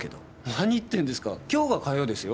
何言ってんですか今日が火曜ですよ？